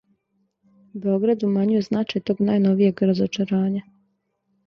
Београд умањује значај тог најновијег разочарања.